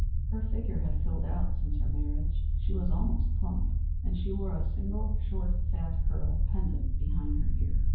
Her figure had filled out since her marriage. She was almost plump and she wore a single short fat curl pendent behind her ear.